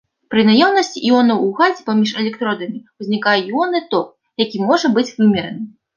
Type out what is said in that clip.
Пры наяўнасці іонаў у газе паміж электродамі ўзнікае іонны ток, які можа быць вымераны.